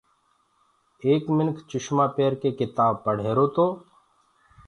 ايڪ منک چُشمآنٚ پيرڪي ڪتآب پڙه ريهروتو